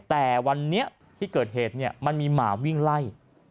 แต่วันนี้ที่เกิดเหตุมันมีหมาวิ่งไล่